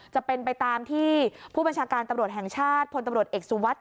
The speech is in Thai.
จะเป็นไปตามที่ผู้บัญชาการตำรวจแห่งชาติพลตำรวจเอกสุวัสดิ